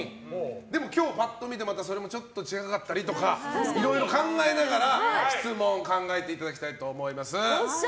でも今日パッと見てそれもちょっと違かったりとかいろいろ考えながら質問を考えていただきたいと思います。